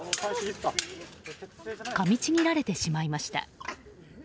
かみちぎられてしまいました。